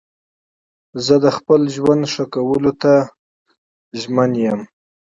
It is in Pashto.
زه د خپل ژوند ښه کولو ته ژمن یم.